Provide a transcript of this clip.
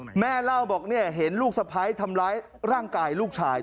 แม่เล่าบอกเนี่ยเห็นลูกสะพ้ายทำร้ายร่างกายลูกชาย